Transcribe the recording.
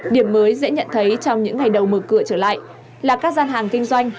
điểm mới dễ nhận thấy trong những ngày đầu mở cửa trở lại là các gian hàng kinh doanh